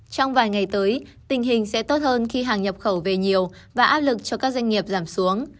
trong vài ngày tới tình hình sẽ tốt hơn khi hàng nhập khẩu về nhiều và áp lực cho các doanh nghiệp giảm xuống